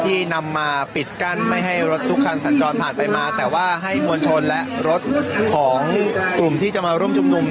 ที่นำมาปิดกั้นไม่ให้รถทุกคันสัญจรผ่านไปมาแต่ว่าให้มวลชนและรถของกลุ่มที่จะมาร่วมชุมนุม